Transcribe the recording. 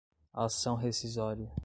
ação rescisória